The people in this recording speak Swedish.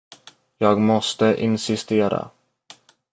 Jag måste insistera.